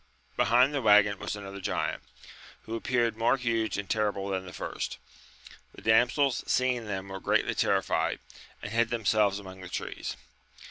Behind the waggon was another giant, who appeared more huge and terrible than the first. The damsels seeing them were greatly terrified, and hid themselves among the trees.